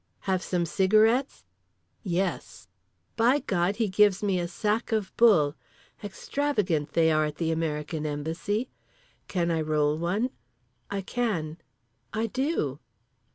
"Have some cigarettes?" "Yes." By God he gives me a sac of Bull. Extravagant they are at the American Embassy. Can I roll one? I can. I do.